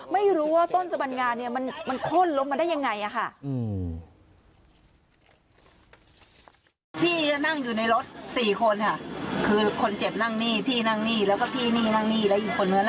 ไม่รู้ว่าต้นสะบัญญามันโค้ดลงมาได้อย่างไร